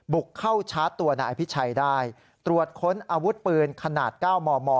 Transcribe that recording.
บุกเข้าชาร์จตัวนายอภิชัยได้ตรวจค้นอาวุธปืนขนาด๙มม